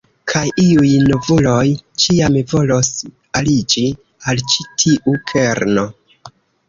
Kaj iuj novuloj ĉiam volos aliĝi al ĉi tiu kerno.